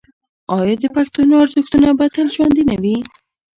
آیا د پښتنو ارزښتونه به تل ژوندي نه وي؟